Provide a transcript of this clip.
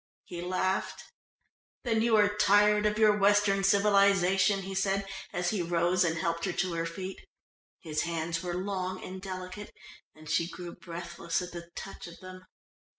He laughed. "Then you are tired of your Western civilisation," he said as he rose and helped her to her feet (his hands were long and delicate, and she grew breathless at the touch of them).